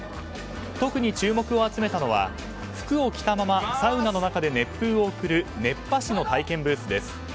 特に注目を集めたのは服を着たままサウナの中で熱風を送る熱波師の体験ブースです。